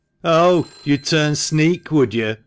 "Oh! you'd turn sneak, would you?"